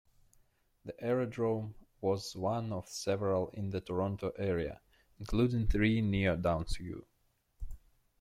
The aerodrome was one of several in the Toronto area, including three near Downsview.